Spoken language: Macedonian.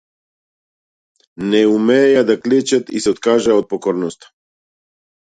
Не умееја да клечат и се откажаа од покорноста.